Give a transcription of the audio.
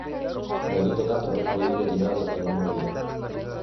Benito Castro fue guillotinado el mismo día.